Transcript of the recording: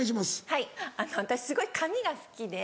はい私すごい紙が好きで。